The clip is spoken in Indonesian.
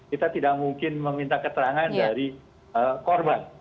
kita tidak mungkin meminta keterangan dari korban